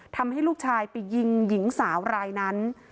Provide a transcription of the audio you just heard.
ทำให้ลูกชายไปยิงหญิงสาวรายนั้น